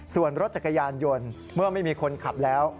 ส่วนรถจักรยานยนต์เมื่อไม่มีคนขับแล้ว